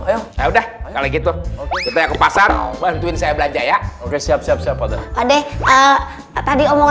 ya udah kalau gitu kita ke pasar bantuin saya belanja ya oke siap siap siapa deh tadi omong